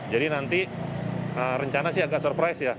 jadi nanti rencana sih agak surprise ya